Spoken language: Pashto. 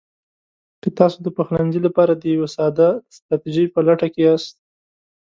که تاسو د پخلنځي لپاره د یوې ساده ستراتیژۍ په لټه کې یاست: